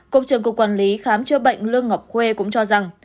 cục trưởng cục quản lý khám chữa bệnh lương ngọc khuê cũng cho rằng